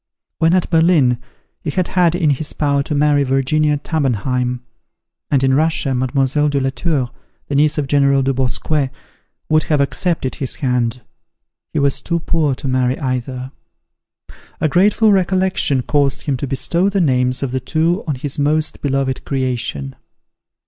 When at Berlin, he had had it in his power to marry Virginia Tabenheim; and in Russia, Mlle. de la Tour, the niece of General Dubosquet, would have accepted his hand. He was too poor to marry either. A grateful recollection caused him to bestow the names of the two on his most beloved creation.